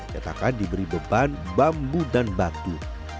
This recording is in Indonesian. cetakan diberi beban bambu dan batu